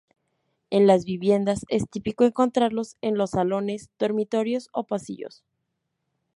En las viviendas es típico encontrarlos en los salones, dormitorios o pasillos.